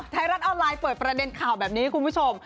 ไทยรัฐออนไลน์เปิดประเด็นข่าวแบบนี้คุณผู้ชม